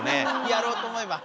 やろうと思えば。